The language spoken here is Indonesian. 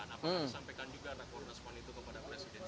apakah anda sampaikan juga rekor nasional itu kepada presiden